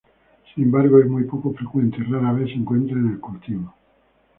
Sin embargo es muy poco frecuente y rara vez se encuentran en el cultivo.